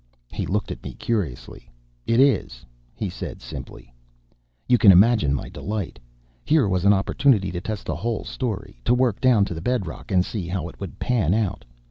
"He looked at me curiously. 'It is,' he said, simply. "You can imagine my delight! Here was an opportunity to test the whole story, to work down to the bed rock, and see how it would pan out!